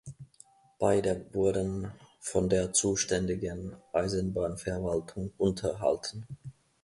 Beide wurden von der zuständigen Eisenbahnverwaltung unterhalten.